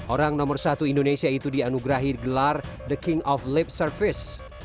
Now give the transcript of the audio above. orang nomor satu indonesia itu dianugerahi gelar the king of lip service